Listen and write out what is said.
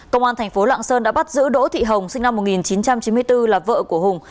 công an thành phố lạng sơn đã bắt giữ đỗ thị hồng sinh năm một nghìn chín trăm chín mươi bốn là vợ của hùng